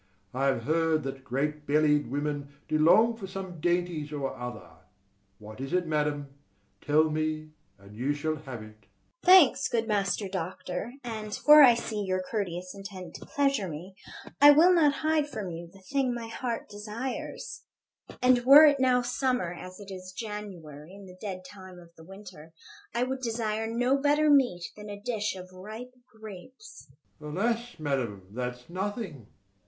I have heard that great bellied women do long for some dainties or other: what is it, madam? tell me, and you shall have it. DUCHESS. Thanks, good Master Doctor: and, for I see your courteous intent to pleasure me, I will not hide from you the thing my heart desires; and, were it now summer, as it is January and the dead time of the winter, I would desire no better meat than a dish of ripe grapes. FAUSTUS. Alas, madam, that's nothing!